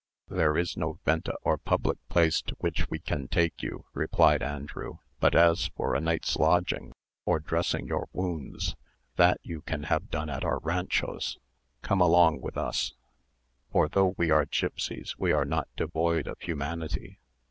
"There is no venta or public place to which we can take you," replied Andrew; "but as for a night's lodging, and dressing your wounds, that you can have at our ranchos. Come along with us; for though we are gipsies, we are not devoid of humanity."